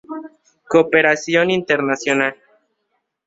Cooperación Internacional.